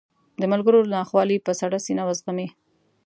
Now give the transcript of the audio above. د ملګرو ناخوالې په سړه سینه وزغمي.